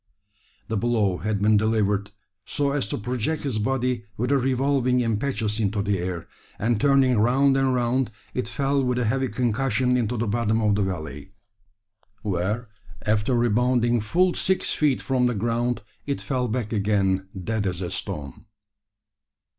The blow had been delivered so as to project his body with a revolving impetus into the air; and turning round and round, it fell with a heavy concussion into the bottom of the valley; where, after rebounding full six feet from the ground, it fell back again dead as a stone.